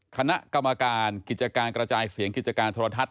คณะกรรมการกิจการกระจายเสียงกิจการโทรทัศน